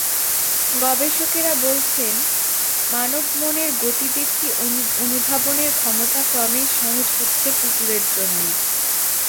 গবেষকেরা বলছেন, মানবমনের গতিবিধি অনুধাবনের ক্ষমতা ক্রমেই সহজ হচ্ছে কুকুরের জন্য।